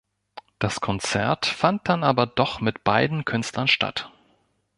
Das Konzert fand dann aber doch mit beiden Künstlern statt.